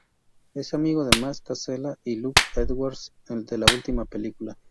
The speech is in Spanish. Es amigo de Max Casella y Luke Edwards de la última película.